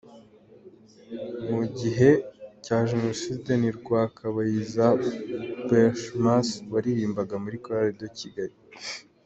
mu gihe cya Jenoside ni Rwakabayiza Berchmas waririmbaga muri Korali de Kigali,.